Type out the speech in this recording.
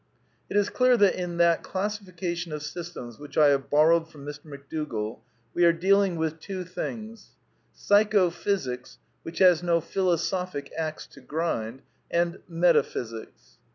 It is clear that in that classification of systems which I have borrowed from Mr. McDougall we are dealing with two things : Psychophysics, which has no philosophic axe to grind, and Metaphysics.